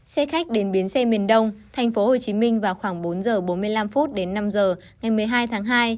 xe khách đến biến xe miền đông tp hcm vào khoảng bốn h bốn mươi năm đến năm h ngày một mươi hai tháng hai